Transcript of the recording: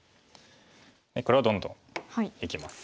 黒はどんどんいきます。